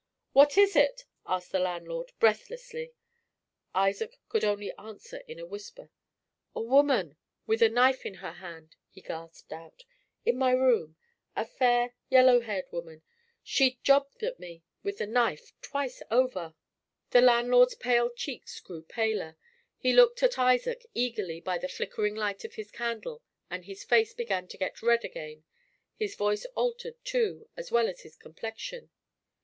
"What is it?" asked the landlord, breathlessly. Isaac could only answer in a whisper. "A woman, with a knife in her hand," he gasped out. "In my room a fair, yellow haired woman; she jobbed at me with the knife twice over." The landlord's pale cheeks grew paler. He looked at Isaac eagerly by the flickering light of his candle, and his face began to get red again; his voice altered, too, as well as his complexion.